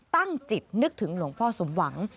ตั้งจิตนึกถึงหลวงพ่อสมหวัง